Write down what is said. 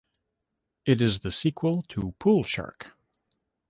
It is the sequel to "Pool Shark".